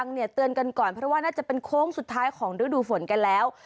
เนี่ยเตือนกันก่อนเพราะว่าน่าจะเป็นโค้งสุดท้ายของฤดูฝนกันแล้ว